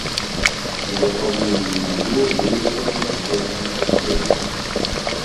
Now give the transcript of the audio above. У запаўненні магіл выяўлены вугальныя праслойкі.